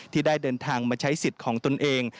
ที่ได้เดินทางมาใช้สิทธิ์ของตนเอง